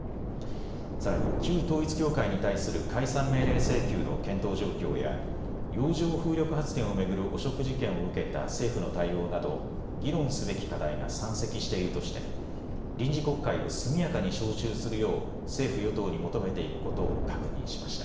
さらに旧統一教会に対する解散命令請求の検討状況や洋上風力発電を巡る汚職事件を受けた政府の対応など議論すべき課題が山積しているとして、臨時国会を速やかに召集するよう政府与党に求めていくことを確認しました。